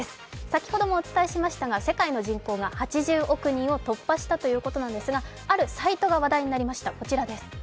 先ほどもお伝えしましたが、世界の人口が８０億人を突破したということなんですが、あるサイトが話題になりました。